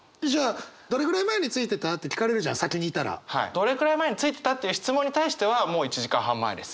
「どれくらい前に着いてた？」っていう質問に対してはもう「１時間半前です」。